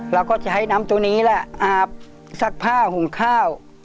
เราก็จะให้น้ำตัวนี้แหละอาบซักผ้าหุงข้าว